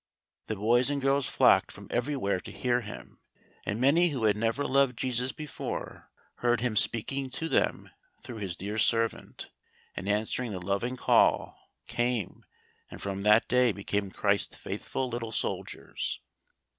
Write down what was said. The boys and girls flocked from everywhere to hear him, and many who had never loved Jesus before, heard Him speaking to them through His dear servant; and answering the loving call, came, and from that day became Christ's faithful little soldiers.